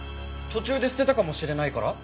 途中で捨てたかもしれないから？